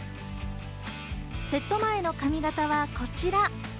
セット前の髪形はこちら！